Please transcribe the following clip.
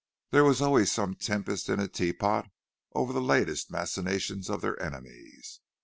There was always some tempest in a teapot over the latest machinations of their enemies.